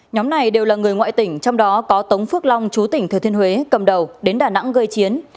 nhóm này đều là người ngoại tỉnh trong đó có tống phước long chú tỉnh thừa thiên huế cầm đầu đến đà nẵng gây chiến